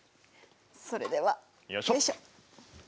それではよいしょ！